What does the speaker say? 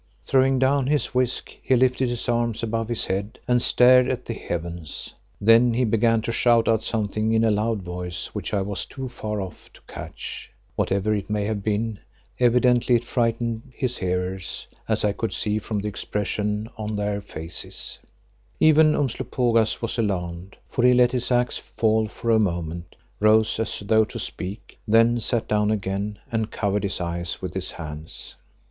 Throwing down his whisk, he lifted his arms above his head and stared at the heavens. Then he began to shout out something in a loud voice which I was too far off to catch. Whatever it may have been, evidently it frightened his hearers, as I could see from the expressions on their faces. Even Umslopogaas was alarmed, for he let his axe fall for a moment, rose as though to speak, then sat down again and covered his eyes with his hands.